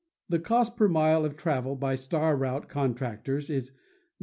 The cost per mile of travel by star route contractors is $0.